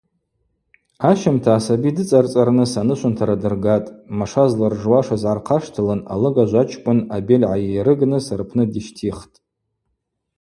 Ащымта асаби дыцӏарцӏарныс анышвынтара дыргатӏ, маша зларжуашыз гӏархъаштылын алыгажв ачкӏвын абель гӏаййрыгныс рпны дищтихтӏ.